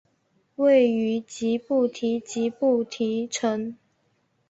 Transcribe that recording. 位于吉布提吉布提城。